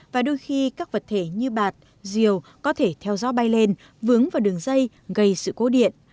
và đôi khi các vật thể như bạt rìu có thể theo dõi bay lên vướng vào đường dây gây sự cố điện